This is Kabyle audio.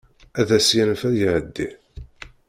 Ad as-yanef ad iɛeddi.